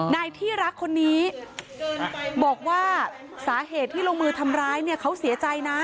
นายที่รักคนนี้บอกว่าสาเหตุที่ลงมือทำร้ายเนี่ยเขาเสียใจนะ